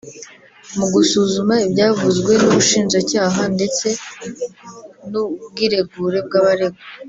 Mu gusuzuma ibyavuzwe n’Ubushinjacyaha ndetse n’ubwiregure bw’abaregwa